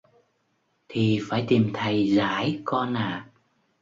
Thì phải tìm thầy giải con ạ